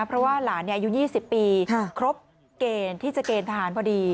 เพราะว่าหลานอายุ๒๐ปีครบเกณฑ์ที่จะเกณฑ์ทหารพอดี